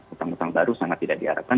utang utang baru sangat tidak diharapkan